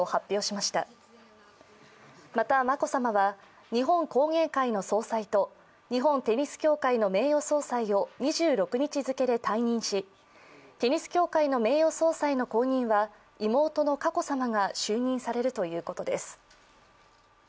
また、眞子さまは日本工芸会の総裁と日本テニス協会の名誉総裁を２６日付で退任し、テニス協会の名誉総裁の後任は妹の佳子さまが就任されるということです。